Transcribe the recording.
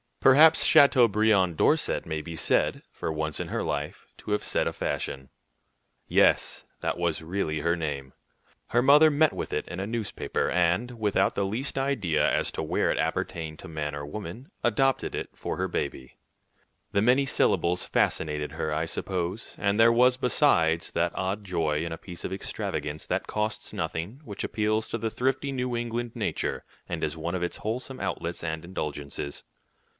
Perhaps Chateaubriand Dorset may be said, for once in her life, to have set a fashion. Yes, that was really her name! Her mother met with it in a newspaper, and, without the least idea as to whether it appertained to man or woman, adopted it for her baby. The many syllables fascinated her, I suppose, and there was, besides, that odd joy in a piece of extravagance that costs nothing, which appeals to the thrifty New England nature, and is one of its wholesome outlets and indulgences.